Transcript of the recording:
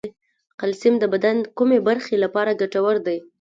کلسیم د بدن د کومې برخې لپاره ګټور دی